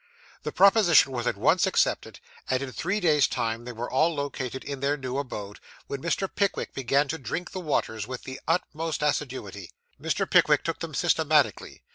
This proposition was at once accepted, and in three days' time they were all located in their new abode, when Mr. Pickwick began to drink the waters with the utmost assiduity. Mr. Pickwick took them systematically.